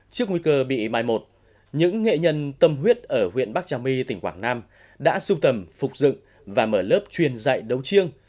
trước nguy cơ bị mai một những nghệ nhân tâm huyết ở huyện bắc trà my tỉnh quảng nam đã sưu tầm phục dựng và mở lớp truyền dạy đấu chiêng